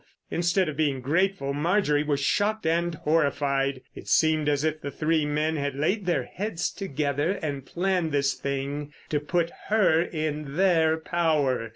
Instead of being grateful, Marjorie was shocked and horrified. It seemed as if the three men had laid their heads together and planned this thing to put her in their power.